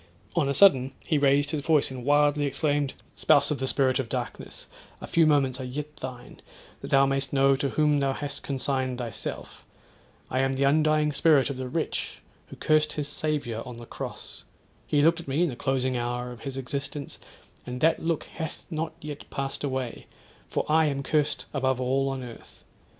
On a sudden he raised his voice and wildly exclaimed—'Spouse of the spirit of darkness, a few moments are yet thine; that thou may'st know to whom thou hast consigned thyself. I am the undying spirit of the wretch who curst his Saviour on the cross. He looked at me in the closing hour of his existence, and that look hath not yet passed away, for I am curst above all on earth.